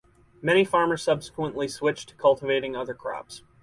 Many farmers subsequently switched to cultivating other crops.